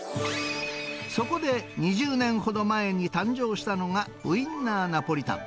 そこで、２０年ほど前に誕生したのが、ウインナーナポリタン。